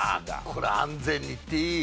これ安全にいっていい？